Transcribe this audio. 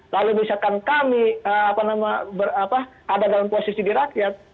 lalu misalkan kami ada dalam posisi di rakyat